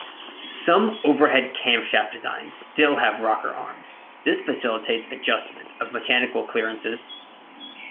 Some overhead camshaft designs still have rocker arms; this facilitates adjustment of mechanical clearances.